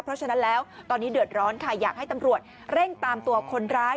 เพราะฉะนั้นแล้วตอนนี้เดือดร้อนค่ะอยากให้ตำรวจเร่งตามตัวคนร้าย